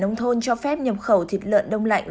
nông thôn cho phép nhập khẩu thịt lợn đông lạnh